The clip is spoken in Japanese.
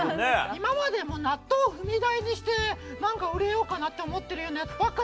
今まで納豆を踏み台にして売れようかなって思ってるようなヤツばっかだったから。